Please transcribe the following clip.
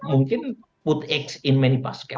mungkin menaruh telur di banyak basket